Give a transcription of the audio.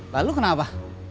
bah lu kenapa